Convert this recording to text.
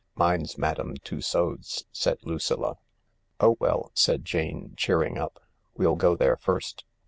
" Mine's Madame Tussaud's," said Lucilla. " Oh, well," said Jane, cheering up, "we'll go there first.